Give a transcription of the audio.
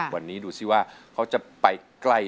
วันนี้ดูสิว่าเขาจะไปใกล้